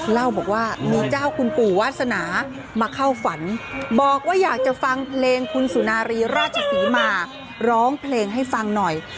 เล่าบอกว่ามีเจ้าคุณปู่วาสนามาเข้าฝันบอกว่าอยากจะฟังเพลงคุณสุนารีราชศรีมาร้องเพลงให้ฟังหน่อย